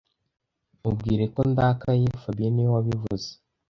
Mubwire ko ndakaye fabien niwe wabivuze